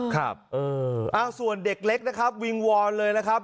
ครับส่วนเด็กเล็กนะครับวิงวอนเลยนะครับ